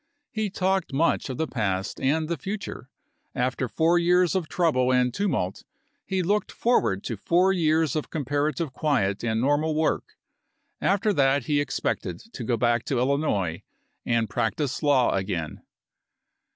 He talked much of the past and the future ; after four years of trouble and tumult he looked 286 ABEAHAM LINCOLN chap. xiv. forward to four years of comparative quiet and normal work ; after that he expected to go back to Illinois and practice law again.